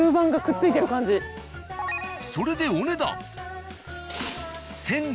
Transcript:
それでお値段。